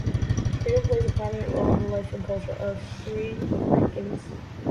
Religion plays a prominent role in the life and culture of Sri Lankans.